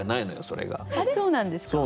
そうなんですか？